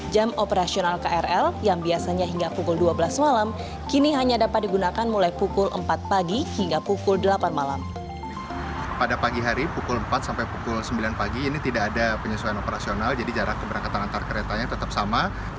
jam operasional krl yang biasanya hingga pukul dua belas malam kini hanya dapat digunakan mulai pukul empat pagi hingga pukul delapan malam